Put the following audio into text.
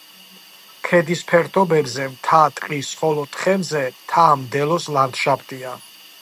ქედის ფერდობებზე მთა-ტყის, ხოლო თხემზე მთა-მდელოს ლანდშაფტია.